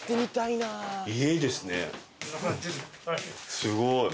すごい。